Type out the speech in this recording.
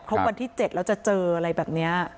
วันที่๗แล้วจะเจออะไรแบบนี้